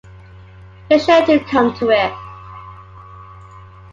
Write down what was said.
You're sure to come to it.